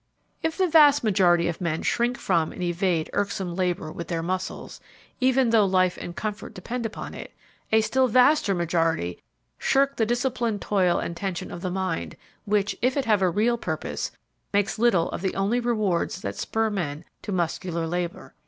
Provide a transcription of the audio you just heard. If the vast majority of men shrink from and evade irksome labor with their muscles even though life and comfort depend upon it a still vaster majority shirk the disciplined toil and tension of the mind, which, if it have real purpose, makes little of the only rewards that spur men to muscular labor.